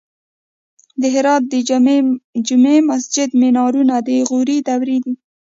د هرات د جمعې مسجد مینارونه د غوري دورې دي